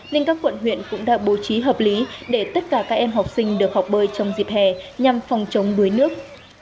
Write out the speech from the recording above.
nên các quận huyện cũng đã bố trí hợp lý để tất cả các em học sinh được học bơi trong dịp hè nhằm phòng chống đuối nước